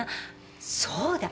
そうだ。